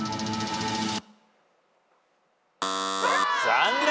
残念！